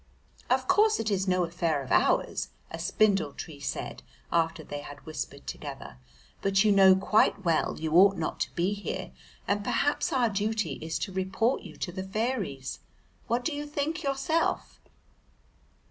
"Of course it is no affair of ours," a spindle tree said after they had whispered together, "but you know quite well you ought not to be here, and perhaps our duty is to report you to the fairies; what do you think yourself?"